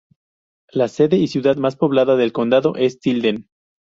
La sede y ciudad más poblada del condado es Tilden.